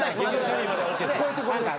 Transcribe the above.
聞こえてこれです。